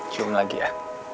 cium lagi ya